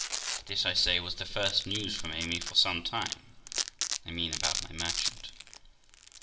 This, I say, was the first news from Amy for some time I mean about my merchant.